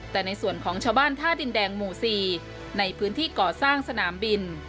แต่ในส่วนของชาวบ้านท่าดินแดงหมู่๔ในพื้นที่ก่อสร้างสนามบิน